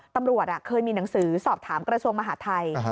ตำรวจเคยมีหนังสือสอบถามกระทรวงมหาทัย